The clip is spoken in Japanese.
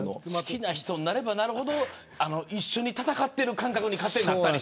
好きな人になればなるほど一緒に戦っている感覚になったり。